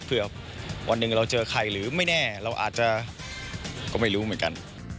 เผื่อวันหนึ่งเราเจอใครหรือไม่แน่เราอาจจะก็ไม่รู้เหมือนกัน